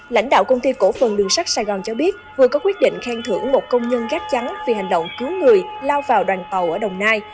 lãnh đạo công ty cổ phần đường sắt sài gòn cho biết vừa có quyết định khen thưởng một công nhân gác trắng vì hành động cứu người lao vào đoàn tàu ở đồng nai